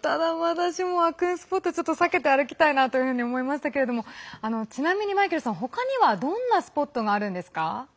ただ、私も悪運のスポットは避けて歩きたいなと思いましたけれどもちなみにマイケルさん、他にはどんなスポットがあるんですか？